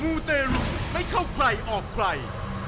ูเตรุไม่เข้าใครออกใคร